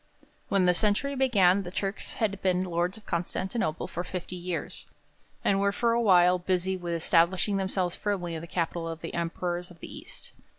When the century began, the Turks had been lords of Constantinople for fifty years, and were for a while busy with establishing themselves firmly in the capital of the Emperors of the East.